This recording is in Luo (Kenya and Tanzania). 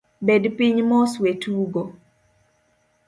Bed piny mos, wetugo.